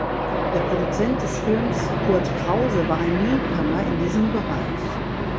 Der Produzent des Films Kurt Krause war ein Newcomer in diesem Bereich.